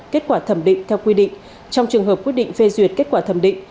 kết quả thẩm định theo quy định trong trường hợp quyết định phê duyệt kết quả thẩm định